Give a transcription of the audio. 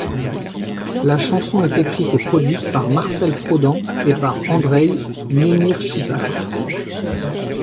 La chanson est écrite et produite par Marcel Prodan et par Andrei Nemirschipar.